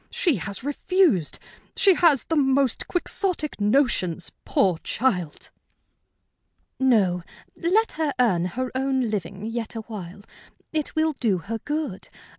She has refused. She has the most Quixotic notions, poor child!" "No, let her earn her own living yet awhile. It will do her good.